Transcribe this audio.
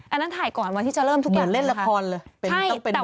อันนั้นถ่ายก่อนมาที่จะเริ่มทุกอย่างนะครับเหมือนเล่นละคร